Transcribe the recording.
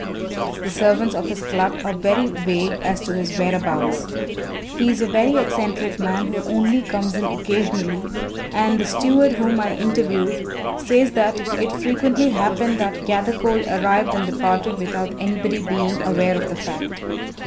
The servants of his Club are very vague as to his whereabouts. He is a very eccentric man, who only comes in occasionally, and the steward whom I interviewed says that it frequently happened that Gathercole arrived and departed without anybody being aware of the fact.